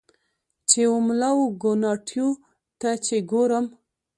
چې و مـــلا و کوناټیــــو ته دې ګورم